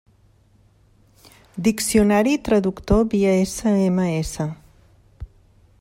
Diccionari i traductor via SMS.